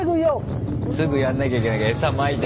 すぐやんなきゃいけないからエサまいて。